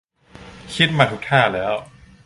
คิดมาทุกท่าแล้ว